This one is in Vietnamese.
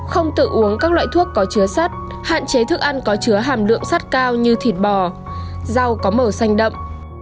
không tự uống các loại thuốc có chứa sắt hạn chế thức ăn có chứa hàm lượng sắt cao như thịt bò rau có màu xanh đậm